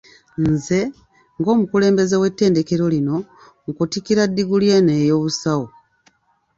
Nze, ng'omukulembeze w' ettendekero lino, nkutikkira diguli eno ey'Obusawo.